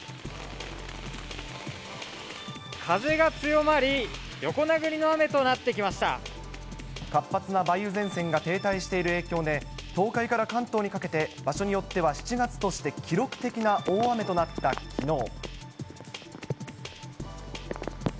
風が強まり、横殴りの雨とな活発な梅雨前線が停滞している影響で、東海から関東にかけて、場所によっては７月として記録的な大雨となったきのう。